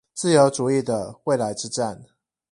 自由主義的未來之戰